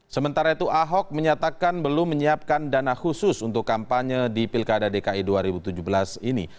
sementara itu ahok menyatakan belum menyiapkan dana khusus untuk kampanye di pilkada dki dua ribu tujuh belas ini